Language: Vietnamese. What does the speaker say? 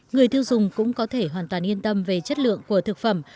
người tiêu dùng cũng có thể hoàn toàn yên tâm về chất lượng của thực phẩm